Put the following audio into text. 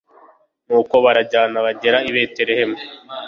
nuko barajyana bagera i betelehemu